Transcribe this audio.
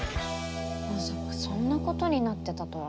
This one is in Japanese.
まさかそんなことになってたとは。